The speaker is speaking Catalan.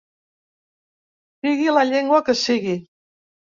Sigui la llengua que sigui.